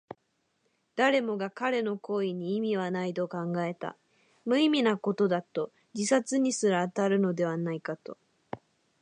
誰もが彼の行為に意味はないと考えた。無意味なことだと、自殺にすら当たるのではないかと。